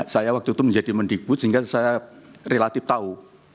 saya waktu itu menjadi mendikbud sehingga saya relatif tahu